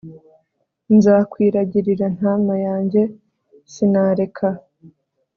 nzakwiragirira ntama yanjye, sinareka